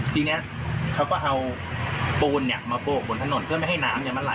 ทีเนี้ยเขาก็เอาปูนเนี้ยมาโบกบนถนนเพื่อไม่ให้น้ำเนี้ยมันไหล